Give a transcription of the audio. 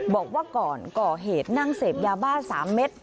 บอกว่าก่อนก่อเหตุนั่งเสพยาบ้า๓เม็ด